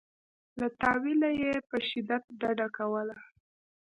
له تأویله یې په شدت ډډه کوله.